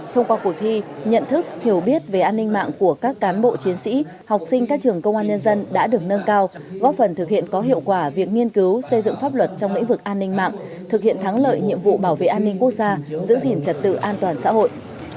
thông qua cuộc thi nhận thức hiểu biết về an ninh mạng của các cán bộ chiến sĩ học sinh các trường công an nhân dân đã được nâng cao góp phần thực hiện có hiệu quả việc nghiên cứu xây dựng pháp luật trong lĩnh vực an ninh mạng thực hiện thắng lợi nhiệm vụ bảo vệ an ninh quốc gia giữ gìn trật tự an toàn xã hội